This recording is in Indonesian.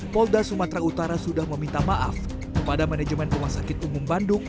polda sumatera utara sudah meminta maaf kepada manajemen rumah sakit umum bandung